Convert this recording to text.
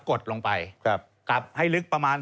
กดลงไปกลับให้ลึกประมาณ